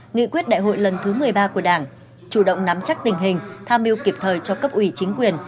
nghị quyết đại hội lần thứ một mươi ba của đảng chủ động nắm chắc tình hình tham mưu kịp thời cho cấp ủy chính quyền